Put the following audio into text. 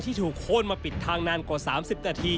ถูกโค้นมาปิดทางนานกว่า๓๐นาที